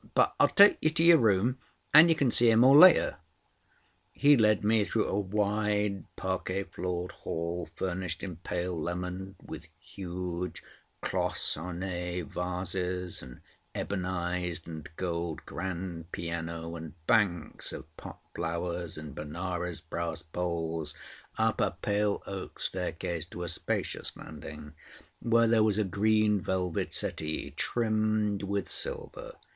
But I'll take you to your room, and you can see 'em all later." He led me through a wide parquet floored hall furnished in pale lemon, with huge Cloisonnée vases, an ebonized and gold grand piano, and banks of pot flowers in Benares brass bowls, up a pale oak staircase to a spacious landing, where there was a green velvet settee trimmed with silver.